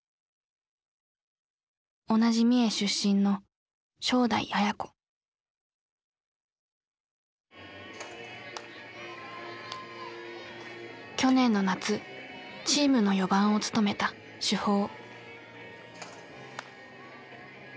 同じ三重出身の去年の夏チームの４番を務めた主砲。